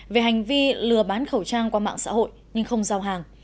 về hành vi lừa bán khẩu trang qua mạng xã hội nhưng không giao hàng